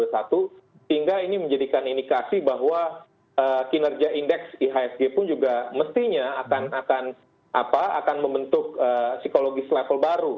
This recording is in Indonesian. sehingga ini menjadikan indikasi bahwa kinerja indeks ihsg pun juga mestinya akan membentuk psikologis level baru